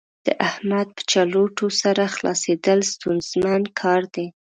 د احمد په چلوټو سر خلاصېدل ستونزمن کار دی.